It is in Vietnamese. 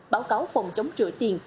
báo cáo phòng chống trợ tiền